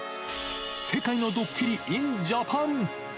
世界のドッキリｉｎジャパン。